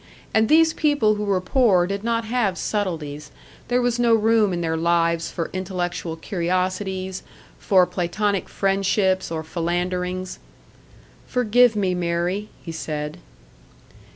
And these people who were poor did not have subtleties, there was no room in their lives for intellectual curiosities, for Platonic friendships or philanderings. "Forgive me, Mary!" he said.